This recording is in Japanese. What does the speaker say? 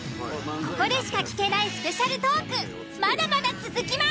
ここでしか聞けないスペシャルト―クまだまだ続きます。